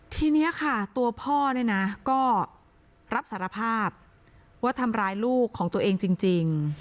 ทีนี้ค่ะตัวพ่อเนี่ยนะก็รับสารภาพว่าทำร้ายลูกของตัวเองจริง